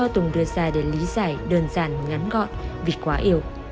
tùng đưa ra lý do để lý giải đơn giản ngắn gọn vì quá yêu